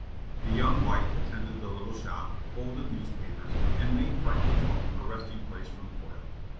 The young wife attended the little shop, folded newspapers, and made Franklin's home a resting place from toil.